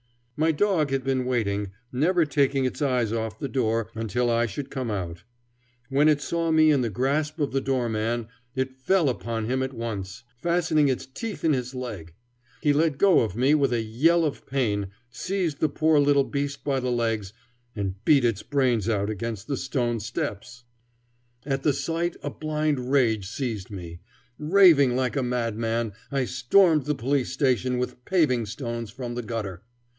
My dog had been waiting, never taking its eyes off the door, until I should come out. When it saw me in the grasp of the doorman, it fell upon him at once, fastening its teeth in his leg. He let go of me with a yell of pain, seized the poor little beast by the legs, and beat its brains out against the stone steps. [Illustration: The Fight on the Police Station Steps] At the sight a blind rage seized me. Raving like a madman, I stormed the police station with paving stones from the gutter.